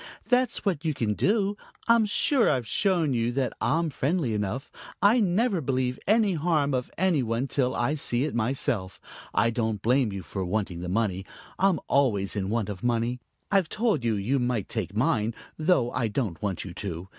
"That's what you can do. I'm sure I've shown you that I'm friendly enough. I never believe any harm of any one till I see it myself. I don't blame you for wanting the money. I'm always in want of money. I've told you you might take mine, though I don't want you to.